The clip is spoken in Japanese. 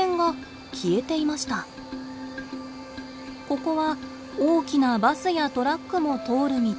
ここは大きなバスやトラックも通る道。